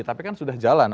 tapi kan sudah jalan